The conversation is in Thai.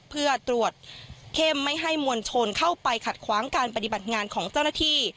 เพื่อตรวจเข้มไม่ให้มวลชนเข้าไปขัดขวางการปฏิบัติงานของเจ้าหน้าที่